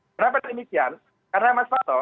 kenapa demikian karena mas toto